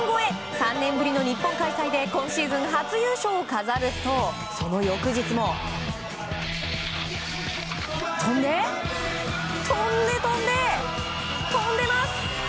３年ぶりの日本開催で今シーズン初優勝を飾るとその翌日も飛んで、飛んでます！